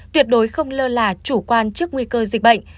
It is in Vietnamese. tuyệt đối không lơ là chủ quan trước nguy cơ dịch bệnh